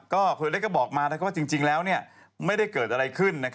คุณเล็กก็บอกมาว่าจริงแล้วไม่ได้เกิดอะไรขึ้น